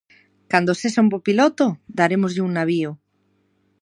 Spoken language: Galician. Cando sexa un bo piloto, darémoslle un navío.